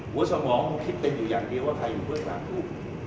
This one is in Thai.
หัวสมองคุณคิดเป็นอยู่อย่างเดียวว่าใครอยู่เบื้องหลังคุณ